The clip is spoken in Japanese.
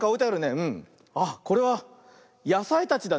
あっこれはやさいたちだね。